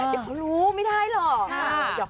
เดี๋ยวเขารู้ไม่ได้หรอก